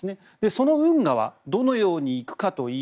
その運河は、どのようにいくか。